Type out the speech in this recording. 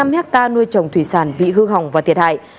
một trăm linh năm hecta nuôi trồng thủy sản bị hư hỏng và thiệt hại